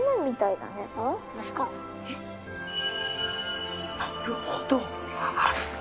なるほど！